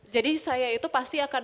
jadi saya itu pasti akan